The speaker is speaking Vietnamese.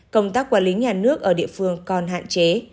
công tác quản lý nhà nước ở địa phương còn hạn chế